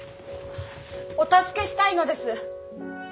お助けしたいのです！